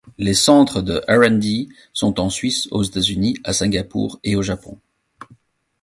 Les centres de R&D sont en Suisse, aux États-Unis, à Singapour et au Japon.